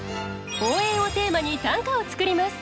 「応援」をテーマに短歌を作ります。